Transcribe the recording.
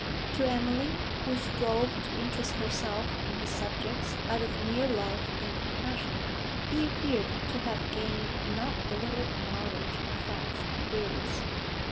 To Emily, who strove to interest herself in his subjects out of mere love and compassion, he appeared to have gained not a little knowledge of facts and theories.